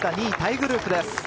２位タイグループです。